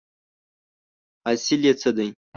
حاصل یې څه دی ؟